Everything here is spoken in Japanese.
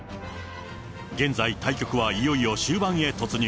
現在、対局はいよいよ終盤へ突入。